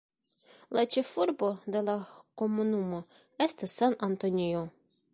La ĉefurbo de la komunumo estas San Antonio.